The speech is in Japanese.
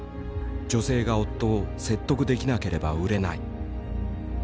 女性が夫を説得できなければ売れない」。